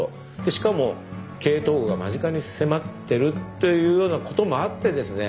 しかも経営統合が間近に迫ってるというようなこともあってですね